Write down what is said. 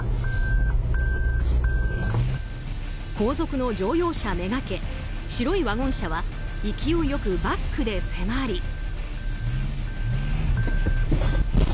後続の乗用車めがけ白いワゴン車は勢いよくバックで迫り。